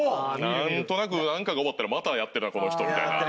なんとなくなんかが終わったらまたやってるわこの人みたいな。